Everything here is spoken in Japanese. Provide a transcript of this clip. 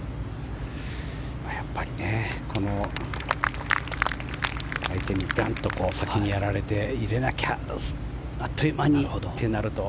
やっぱり相手にダンと先にやられて入れなきゃあっという間にってなると